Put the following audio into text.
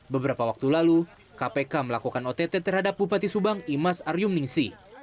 beberapa waktu lalu kpk melakukan ott terhadap bupati subang imas aryum ningsi